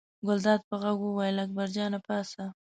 ګلداد په غږ وویل اکبر جانه پاڅه.